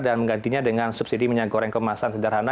menggantinya dengan subsidi minyak goreng kemasan sederhana